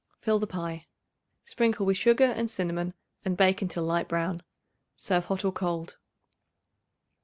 Fill the pie. Sprinkle with sugar and cinnamon and bake until light brown. Serve hot or cold.